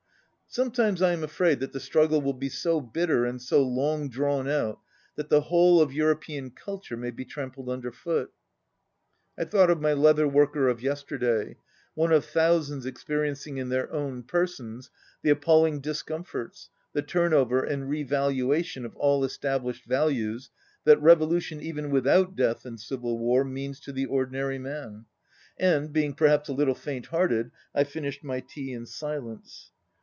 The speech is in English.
"Sometimes I am afraid tha!t the struggle will be so bitter and so long drawn out that the whole of European culture may be trampled under foot." I thought of my leather worker of yesterday, one of thousands experiencing in their own persons the appalling discomforts, the turn over and re valuation of all established values that revolution, even without death and civil war, means to the ordinary man; and, being perhaps a little faint hearted, I finished my tea in silence.